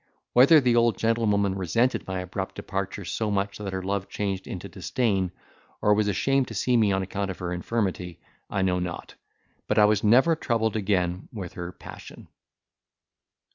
Whether the old gentlewoman resented my abrupt departure so much that her love changed into disdain, or was ashamed to see me on account of her infirmity, I know not; but I was never troubled again with her passion.